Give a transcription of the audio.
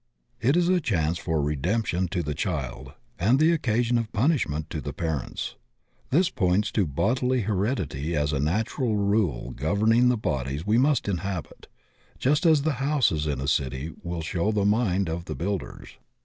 It is a chance for redemption to the child and the occasion of punishment to the parents. This points to bodily heredity as a natural rule gov erning the bodies we must inliabit, just as the houses in a city will show the mind of the builders.